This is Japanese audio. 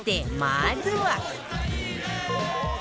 まずは